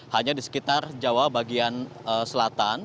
hanya di sekitar jawa bagian selatan